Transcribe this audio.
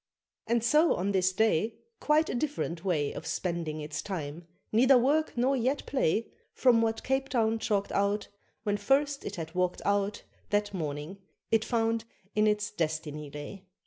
And so on this day Quite a different way Of spending its time neither work nor yet play From what Cape Town chalked out When first it had walked out That morning, it found in its destiny lay.